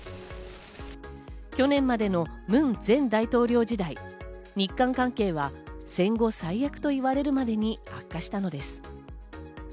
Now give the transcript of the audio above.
去年までのムン前大統領時代、日韓関係は戦後最悪と言われるまでに悪化したのです。